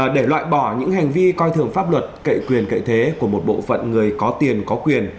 để loại bỏ những hành vi coi thường pháp luật cậy quyền cậy thế của một bộ phận người có tiền có quyền